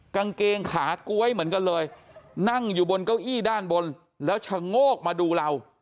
กางเกงขาก๊วยเหมือนกันเลยนั่งอยู่บนเก้าอี้ด้านบนแล้วชะโงกมาดูเรา